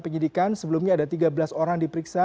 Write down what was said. penyidikan sebelumnya ada tiga belas orang diperiksa